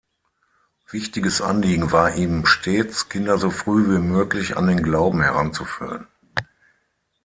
Wichtiges Anliegen war ihm stets, Kinder so früh wie möglich an den Glauben heranzuführen.